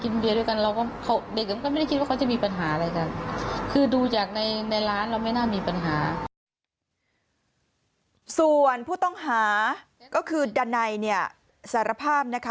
ส่วนผู้ต้องหาก็คือดันไนเนี่ยสารภาพนะคะ